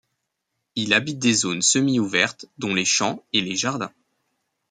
Il habite des zones semi-ouvertes, dont les champs et les jardins.